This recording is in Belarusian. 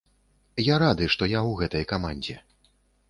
Я рады, што я ў гэтай камандзе.